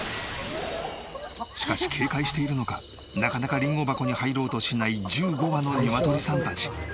しかし警戒しているのかなかなかりんご箱に入ろうとしない１５羽のニワトリさんたち。